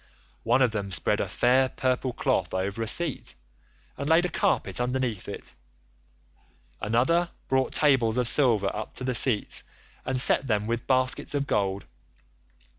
One of them spread a fair purple cloth over a seat, and laid a carpet underneath it. Another brought tables of silver up to the seats, and set them with baskets of gold.